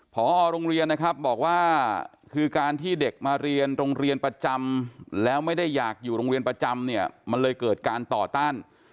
พอโรงเรียนนะครับบอกว่าคือการที่เด็กมาเรียนโรงเรียนประจำแล้วไม่ได้อยากอยู่โรงเรียนประจำเนี่ยมันเลยเกิดการต่อต้าน